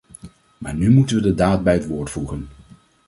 Maar nu moeten we de daad bij het woord voegen.